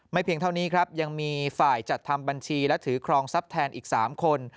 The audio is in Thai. เพียงเท่านี้ครับยังมีฝ่ายจัดทำบัญชีและถือครองทรัพย์แทนอีก๓คน